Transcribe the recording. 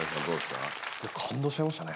感動しちゃいましたね。